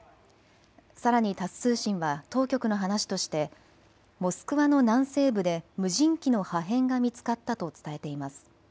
さらにタス通信は当局の話としてモスクワの南西部で無人機の破片が見つかったと伝えています。